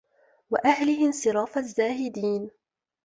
وَأَهْلِهِ انْصِرَافَ الزَّاهِدِينَ